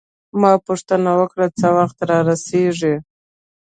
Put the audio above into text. ما پوښتنه وکړه: څه وخت رارسیږي؟